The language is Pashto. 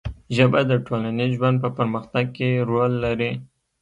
ژبه د ټولنیز ژوند په پرمختګ کې رول لري